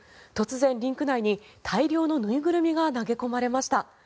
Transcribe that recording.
突然、リンク内に大量の縫いぐるみが投げ込まれました。